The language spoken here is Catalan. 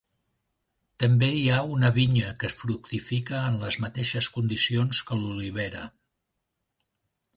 També hi ha una vinya que fructifica en les mateixes condicions que l'olivera.